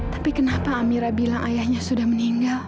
tapi kenapa amira bilang ayahnya sudah meninggal